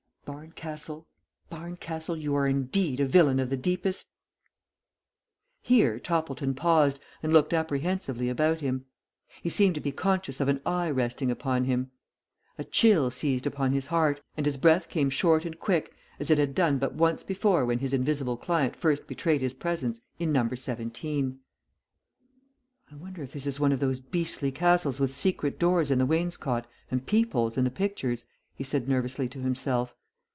Barncastle, Barncastle, you are indeed a villain of the deepest " Here Toppleton paused, and looked apprehensively about him. He seemed to be conscious of an eye resting upon him. A chill seized upon his heart, and his breath came short and quick as it had done but once before when his invisible client first betrayed his presence in No. 17. "I wonder if this is one of those beastly castles with secret doors in the wainscot and peep holes in the pictures," he said nervously to himself.